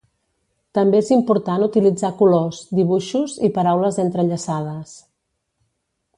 També és important utilitzar colors, dibuixos i paraules entrellaçades.